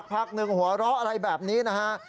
พักหนึ่งหัวเราะอะไรแบบนี้นะฮะ